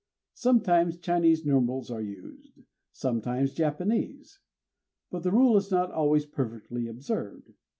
Sometimes Chinese numerals are used; sometimes Japanese. But the rule is not always perfectly observed.